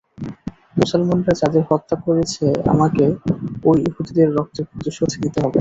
মুসলমানরা যাদের হত্যা করেছে আমাকে ঐ ইহুদীদের রক্তের প্রতিশোধ নিতে হবে।